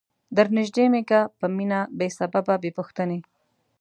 درنیژدې می که په مینه بې سببه بې پوښتنی